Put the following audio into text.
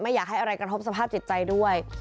อยากให้อะไรกระทบสภาพจิตใจด้วย